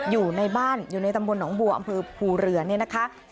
อยู่ในบ้านอยู่ในตำบลหนองบัวอำเภอภูเรือเนี่ยนะคะ